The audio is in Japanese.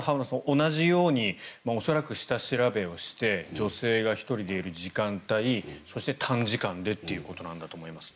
同じように恐らく下調べをして女性が１人でいる時間帯そして短時間でということなんだと思いますね。